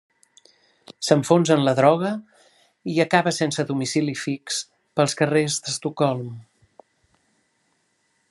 S'enfonsa en la droga, i acabar sense domicili fix, pels carrers d'Estocolm.